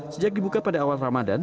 sejak dibuka pada awal ramadan